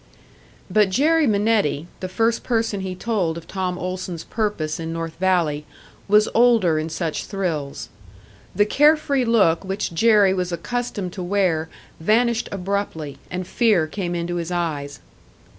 But Jerry Minetti, the first person he told of Tom Olson's purpose in North Valley, was older in such thrills. The care free look which Jerry was accustomed to wear vanished abruptly, and fear came into his eyes.